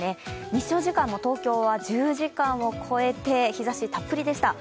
日照時間も東京は１０時間を超えて日ざしたっぷりでした。